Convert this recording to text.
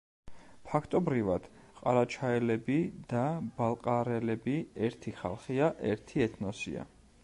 ფაქტობრივად ყარაჩაელები და ბალყარელები ერთი ხალხია, ერთი ეთნოსია.